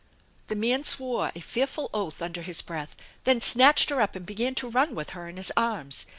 The man swore a fearful oath under his breath, then snatched her up and began to run with her in his arms.